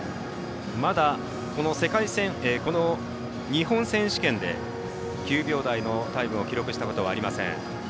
まだ、この日本選手権で９秒台のタイムを記録したことはありません。